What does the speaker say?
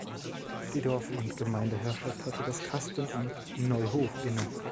Die Dorf- und Gemeindeherrschaft hatte das Kastenamt Neuhof inne.